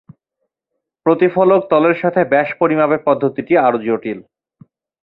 প্রতিফলক তলের সাথে ব্যাস পরিমাপের পদ্ধতিটি আরো জটিল।